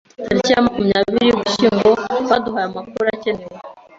Tariki ya makumyabiri Ugushyingo, baduhaye amakuru akenewe